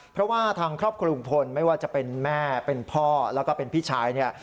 เพราะว่าทางครอบครัวลุงพลไม่ว่าจะเป็นแม่เป็นพ่อแล้วก็เป็นพี่ชายเนี่ย